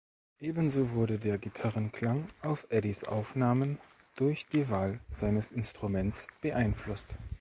Ebenso wurde der Gitarrenklang auf Eddys Aufnahmen durch die Wahl seines Instruments beeinflusst.